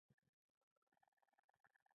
په دنده کې نامالوم يا ناسم تعريف شوی رول لرل.